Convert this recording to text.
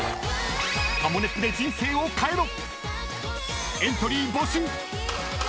［ハモネプで人生を変えろ！］